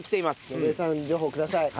順恵さん情報ください。